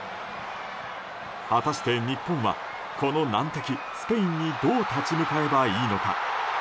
果たして、日本はこの難敵スペインにどう立ち向かえばいいのか。